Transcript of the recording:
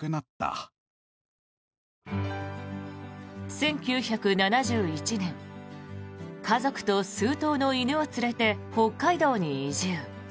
１９７１年家族と数頭の犬を連れて北海道に移住。